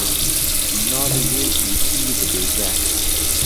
navê yê dîtiyî dibêje.